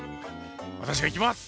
私が行きます。